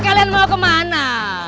kalian mau kemana